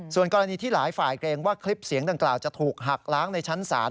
ส่วนกรณีที่หลายฝ่ายเกรงว่าคลิปเสียงดังกล่าวจะถูกหักล้างในชั้นศาล